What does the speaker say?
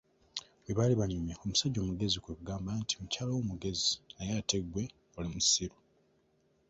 Bwe baali banyumya, omusajja omugezi kwe kugamba nti, mukyala wo mugezi, naye ate gwe oli musiru.